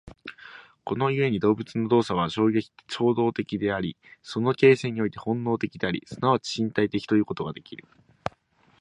この故に動物の動作は衝動的であり、その形成において本能的であり、即ち身体的ということができる。